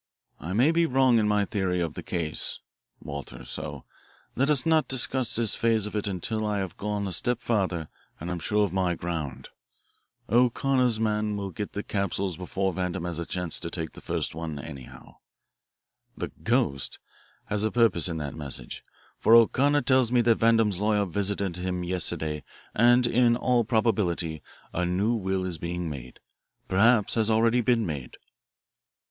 I may be wrong in my theory of the case, Walter, so let us not discuss this phase of it until I have gone a step farther and am sure of my ground. O'Connor's man will get the capsules before Vandam has a chance to take the first one, anyhow. The 'ghost' had a purpose in that message, for O'Connor tells me that Vandam's lawyer visited him yesterday and in all probability a new will is being made, perhaps has already been made."